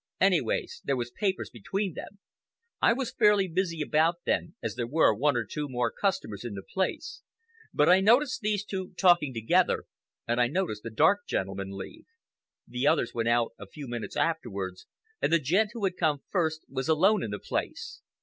Anyways, there was papers passed between them. I was fairly busy about then, as there were one or two more customers in the place, but I noticed these two talking together, and I noticed the dark gentleman leave. The others went out a few minutes afterwards, and the gent who had come first was alone in the place.